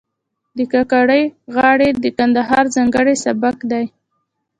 د کاکړۍ غاړې د کندهار ځانګړی سبک دی.